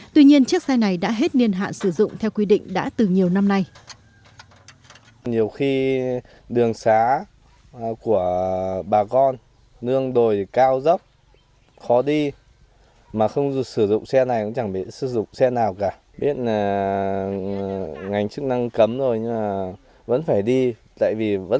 tuy nhiên chiếc xe này đã hết niên hạn sử dụng theo quy định đã từ nhiều năm nay